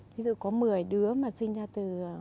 ví dụ có một mươi đứa mà sinh ra từ